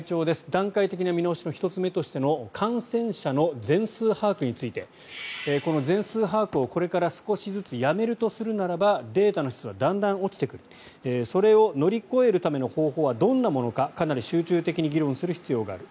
段階的な見直しの１つ目としての感染者の全数把握についてこの全数把握をこれから少しずつやめていくとするならばデータの質はだんだん落ちてくるそれを乗り越えるための方法はどんなものかかなり集中的に議論する必要がある。